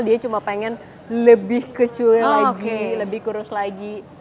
dia cuma pengen lebih kecuali lagi lebih kurus lagi